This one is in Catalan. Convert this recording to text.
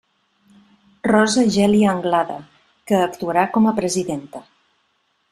Rosa Geli Anglada, que actuarà com a presidenta.